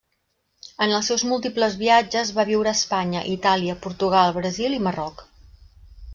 En els seus múltiples viatges va viure a Espanya, Itàlia, Portugal, Brasil i Marroc.